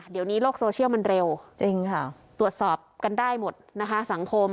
เดี๋ยวนี้โลกโซเชียลมันเร็วจริงค่ะตรวจสอบกันได้หมดนะคะสังคม